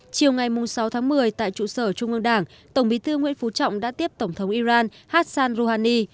chiều ngày sáu tháng một mươi tại trụ sở trung ương đảng tổng bí thư nguyễn phú trọng đã tiếp tổng thống iran hassan rouhani